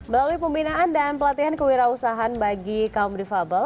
melalui pembinaan dan pelatihan kewirausahaan bagi kaum difabel